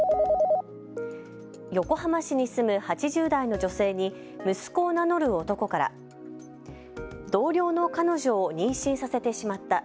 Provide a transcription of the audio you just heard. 横浜市に住む８０代の女性に息子を名乗る男から同僚の彼女を妊娠させてしまった。